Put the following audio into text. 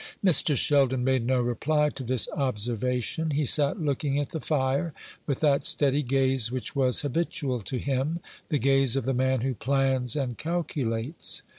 Mr. Sheldon made no reply to this observation. He sat looking at the fire, with that steady gaze which was habitual to him the gaze of the man who plans and calculates.